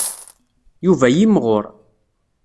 Yuba yimɣur.